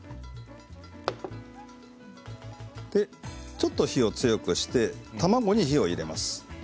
ちょっと火を強くして卵に火を入れます。